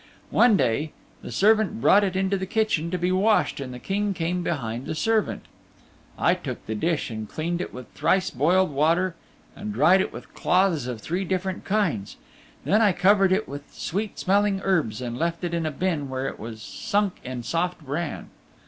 One day the servant brought it into the Kitchen to be washed and the King came behind the servant. I took the dish and cleaned it with thrice boiled water and dried it with cloths of three different kinds. Then I covered it with sweet smelling herbs and left it in a bin where it was sunk in soft bran.